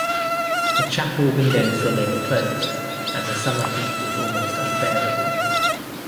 The chapel windows remained closed and the summer heat was almost unbearable.